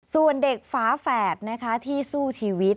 ส่วนเด็กฝาแฝดนะคะที่สู้ชีวิต